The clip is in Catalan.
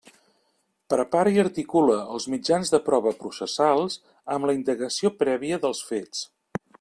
Prepara i articula els mitjans de prova processals, amb la indagació prèvia dels fets.